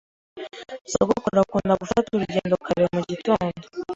Sogokuru akunda gufata urugendo kare mu gitondo.